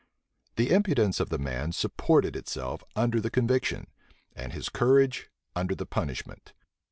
The impudence of the man supported itself under the conviction, and his courage under the punishment.